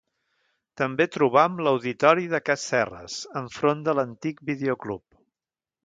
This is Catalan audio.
També trobam l'Auditori de Cas Serres enfront de l'antic videoclub.